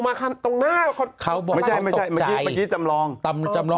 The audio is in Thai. อ่านข่าวนี้แล้วสลดเนาะ